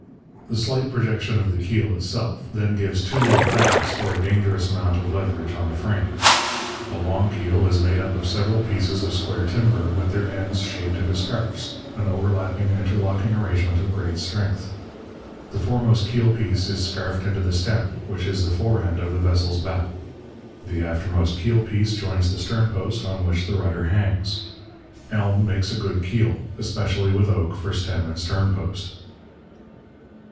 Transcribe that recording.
The slight projection of the keel itself then gives too little purchase for a dangerous amount of leverage on the frame. A long keel is made up of several pieces of square timber, with their ends shaped into scarfs, an overlapping and interlocking arrangement of great strength. The foremost keel piece is scarfed into the stem, which is the fore end of the vessel's bow. The aftermost keel piece joins the stern post, on which the rudder hangs. Elm makes a good keel, especially with oak for stem and stern post.